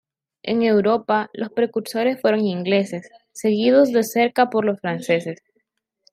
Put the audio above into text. En Europa, los precursores fueron los ingleses, seguidos de cerca por los franceses.